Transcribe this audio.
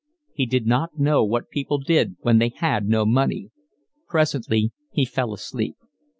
He did not know what people did when they had no money. Presently he fell asleep.